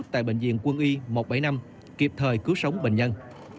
tại bệnh viện quân y một trăm bảy mươi năm kịp thời cứu sống bệnh nhân